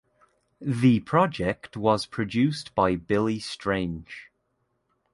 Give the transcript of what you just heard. The project was produced by Billy Strange.